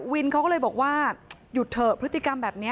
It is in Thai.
วินเขาก็เลยบอกว่าหยุดเถอะพฤติกรรมแบบนี้